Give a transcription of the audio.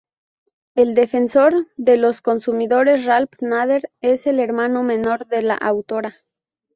El defensor de los consumidores Ralph Nader, es el hermano menor de la autora.